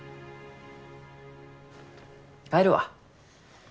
帰るわ。